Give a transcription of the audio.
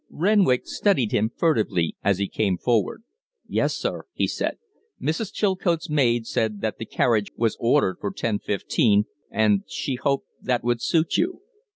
Renwick studied him furtively as he came forward. "Yes, sir," he said. "Mrs. Chilcote's maid said that the carriage was ordered for ten fifteen, and she hoped that would suit you."